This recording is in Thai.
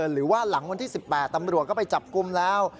หรือว่าหลังวันที่๑๘ตำรวจก็ไปจับกลุ่มแล้ว